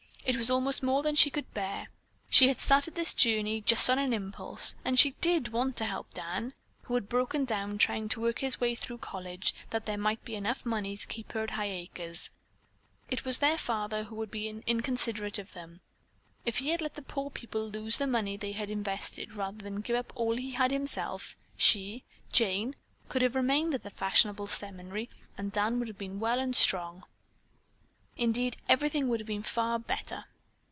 It was almost more than she could bear. She had started this journey just on an impulse, and she did want to help Dan, who had broken down trying to work his way through college that there might be money enough to keep her at Highacres. It was their father who had been inconsiderate of them. If he had let the poor people lose the money they had invested rather than give up all he had himself, she, Jane, could have remained at the fashionable seminary and Dan would have been well and strong. Indeed everything would have been far better.